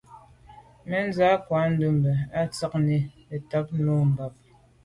Mɛ́n cwɛ̌d krwâ' ndɛ̂mbə̄ á cwɛ̌d tsjɑ́ŋə́ zə̄ tâp bû mâp.